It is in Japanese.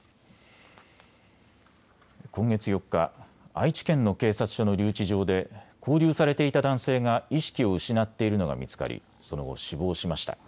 今月４日、愛知県の警察署の留置場で勾留されていた男性が意識を失っているのが見つかりその後、死亡しました。